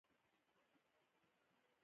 د ګشنیز پاڼې د خولې د بد بوی لپاره وکاروئ